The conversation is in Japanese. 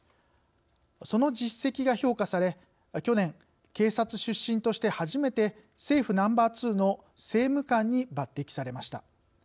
その実績が評価され去年警察出身として初めて政府ナンバー２の政務官に抜てきされました。